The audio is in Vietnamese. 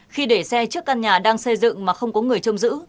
khi để xe trước căn nhà đang xây dựng mà không có người chôm giữ